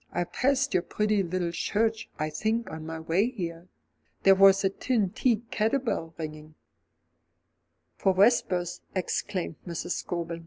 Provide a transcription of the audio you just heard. I passed your pretty little church, I think, on my way here. There was a tin tea ket a bell ringing " "For vespers," exclaimed Mrs. Scobel.